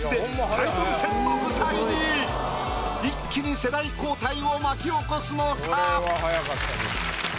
一気に世代交代を巻き起こすのか？